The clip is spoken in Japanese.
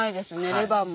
レバーも。